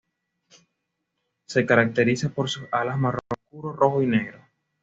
Se caracteriza por sus alas marrón oscuro, rojo y negro.